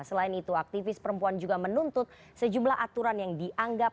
selain itu aktivis perempuan juga menuntut sejumlah aturan yang dianggap